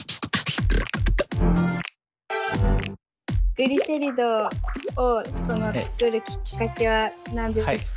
「グリセリド」を作るきっかけは何ですか？